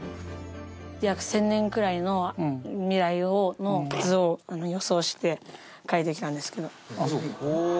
約１０００年くらいの未来の図を予想して描いてきたんですけど。